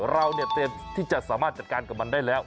เราเนี่ยเตรียมที่จะสามารถจัดการกับมันได้แล้ว